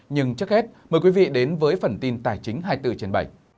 nhưng trước hết mời quý vị đến với phần tin tài chính hai mươi bốn trên bảy